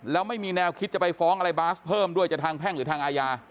แล้วไม่มีแนวคิดจะไปฟ้องอะไรบาสเพิ่มด้วยจะทางแพ่งหรือทางอาญา